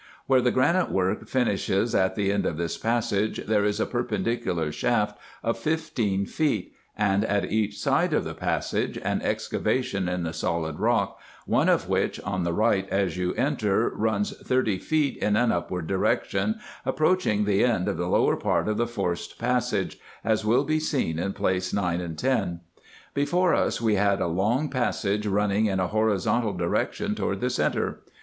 Where the granite work finishes at the end of this passage, there is a perpendicular shaft of fifteen feet, and at each side of the passage, an excavation in the solid rock, one of which, on the right as you enter, runs thirty feet in an upward direction, approaching the end of the lower part of the forced passage, as will be seen in Plates 9 and 10. Before us we had a long passage running in a horizontal direction toward the centre.